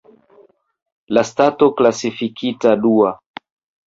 La stato klasifikita dua.